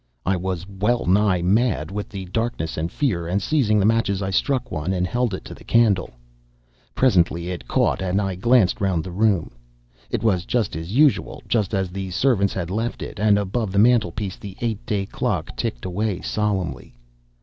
I was well nigh mad with the darkness and fear, and, seizing the matches, I struck one, and held it to the candle. Presently it caught, and I glanced round the room. It was just as usual, just as the servants had left it, and above the mantelpiece the eight day clock ticked away solemnly.